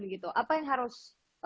gitu apa yang harus